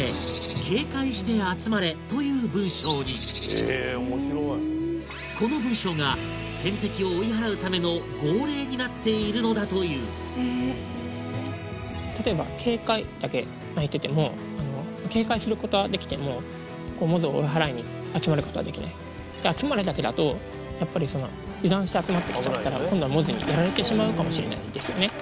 「警戒して集まれ」という文章にえおもしろいうんこの文章が天敵を追い払うための「号令」になっているのだという例えば「警戒」だけ鳴いててもあの「警戒」することはできてもモズを追い払いに集まることはできない「集まれ」だけだとやっぱりその油断して集まって来ちゃったら今度はモズにやられてしまうかもしれないんですよね